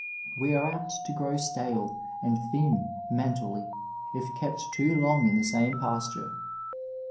We are apt to grow stale and thin mentally if kept too long in the same pasture.